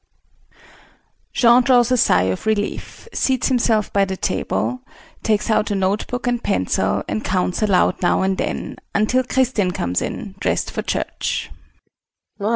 ] [Jean draws a sigh of relief, seats himself by the table, takes out a notebook and pencil and counts aloud now and then until Kristin comes in, dressed for church.